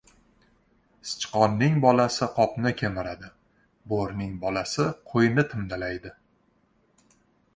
• Sichqonning bolasi qopni kemiradi, bo‘rining bolasi qo‘yni timdalaydi.